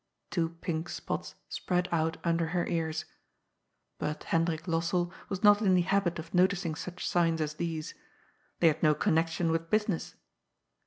Two pink spots spread out under her ears. But Hendrik Lossell was not in the habit of noticing such signs as these. They had no connection with business.